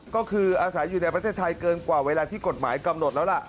ก็คืออาศัยอยู่ในประเทศไทยเกินกว่าเวลาที่กฎหมายกำหนดแล้วล่ะ